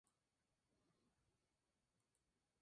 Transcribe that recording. El rodaje en si tomó siete días.